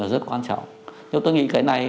rất quan trọng nhưng tôi nghĩ cái này